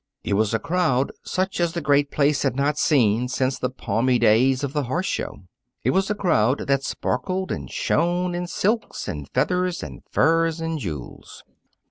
It was a crowd such as the great place had not seen since the palmy days of the horse show. It was a crowd that sparkled and shone in silks and feathers and furs and jewels.